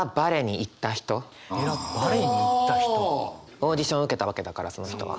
オーディションを受けたわけだからその人は。